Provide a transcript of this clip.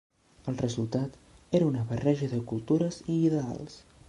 El resultat era una barreja de cultures i ideals.